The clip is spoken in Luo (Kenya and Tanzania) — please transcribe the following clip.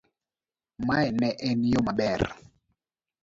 mae ne en yo maber